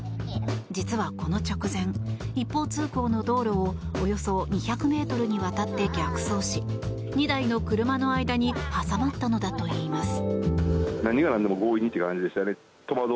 実はこの直前、一方通行の道路をおよそ２００ｍにわたって逆走し２台の車の間に挟まったのだといいます。